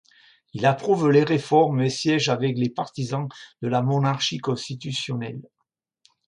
Il approuve les réformes et siège avec les partisans de la monarchie constitutionnelle.